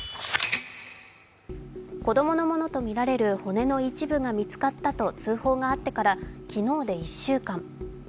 子供のものとみられる骨の一部が見つかったと通報があってから昨日で１週間。